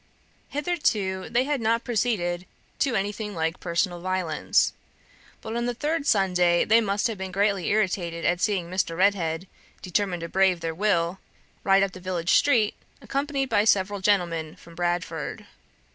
Hitherto they had not proceeded to anything like personal violence; but on the third Sunday they must have been greatly irritated at seeing Mr. Redhead, determined to brave their will, ride up the village street, accompanied by several gentlemen from Bradford.